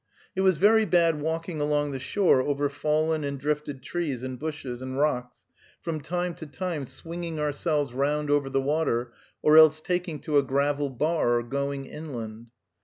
It was very bad walking along the shore over fallen and drifted trees and bushes, and rocks, from time to time swinging ourselves round over the water, or else taking to a gravel bar or going inland.